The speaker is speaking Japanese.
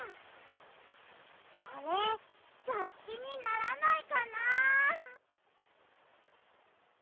これがっきにならないかな。